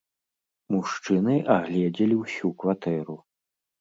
Мужчыны агледзелі ўсю кватэру.